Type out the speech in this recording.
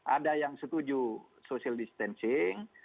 ada yang setuju social distancing